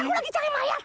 aku lagi cari mayat